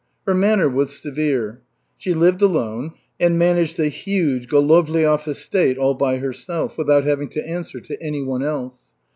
Her manner was severe. She lived alone, and managed the huge Golovliov estate all by herself, without having to answer to any one else.